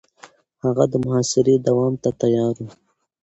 هغه د محاصرې دوام ته تيار و.